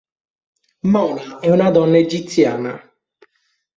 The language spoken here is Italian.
Mona è una donna egiziana.